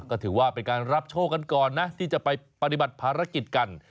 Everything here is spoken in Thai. ก็ถือว่าเป็นการรับโชคกันก่อนนะที่จะไปปฏิบัติภารกิจกัน